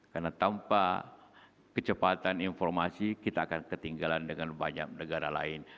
karena tanpa kecepatan informasi kita akan ketinggalan dengan banyak negara lain